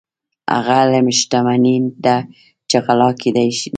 علم هغه شتمني ده چې غلا کیدی نشي.